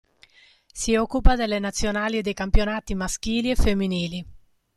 Si occupa delle nazionali e dei campionati maschili e femminili.